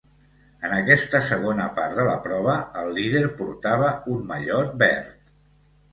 En aquesta segona part de la prova el líder portava un mallot verd.